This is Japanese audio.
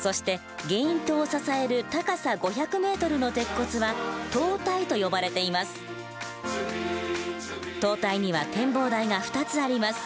そしてゲイン塔を支える高さ５００ｍの鉄骨は塔体には展望台が２つあります。